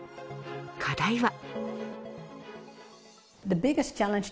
課題は。